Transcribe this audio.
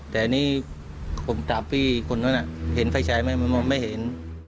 แต่อันนี้ผมตามพี่คนนั้นน่ะเห็นไฟฉายไหมไม่เห็น